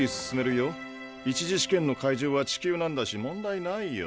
１次試験の会場は地球なんだし問題ないよ。